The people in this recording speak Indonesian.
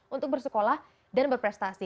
untuk bersekolah dan berprestasi